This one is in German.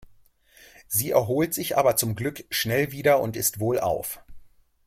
Sie erholt sich aber zum Glück schnell wieder und ist wohlauf.